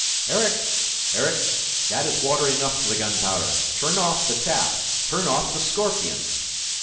"Erik! Erik! That is water enough for the gunpowder! Turn off the tap! Turn off the scorpion!"